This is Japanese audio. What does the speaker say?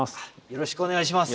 よろしくお願いします。